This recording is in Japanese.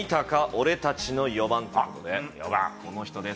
俺たちの４番ということで。